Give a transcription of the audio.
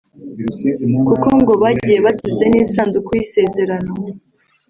kuko ngo bagiye basize n’isanduku y’isezerano